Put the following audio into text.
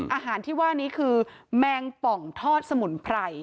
อาหารที่ว่านี้คือแมงป่องทอดสมุนไพร